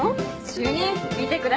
主任見てくださいこれ。